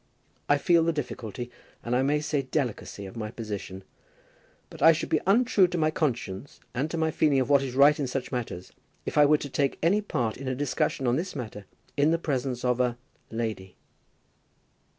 I feel the difficulty, and I may say delicacy, of my position; but I should be untrue to my conscience and to my feeling of what is right in such matters, if I were to take any part in a discussion on this matter in the presence of a lady."